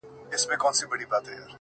هغې ويل اور ـ